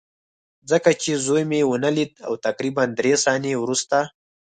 ځکه چې زوی مې ونه لید او تقریبا درې ثانیې وروسته